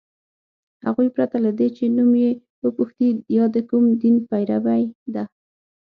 هغوی پرته له دې چي نوم یې وپوښتي یا د کوم دین پیروۍ ده